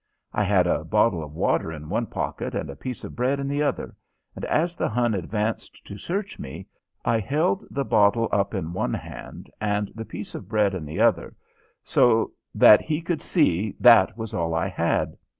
I had a bottle of water in one pocket and a piece of bread in the other, and as the Hun advanced to search me I held the bottle up in one hand and the piece of bread in the other so that he could see that was all I had.